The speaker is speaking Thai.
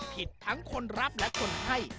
ผิดทั้งคนรับและคนให้